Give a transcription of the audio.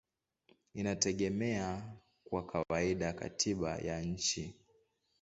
inategemea kwa kawaida katiba ya nchi.